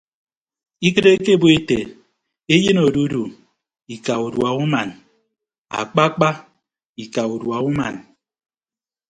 Ikịt ekebo ete eyịn ododu ika udua uman akpakpa ika udua uman.